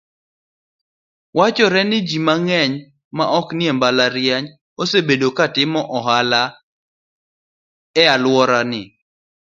Wachore ni ji mang'eny ma oknie mbalariany, osebedo katimo ohala ealworani.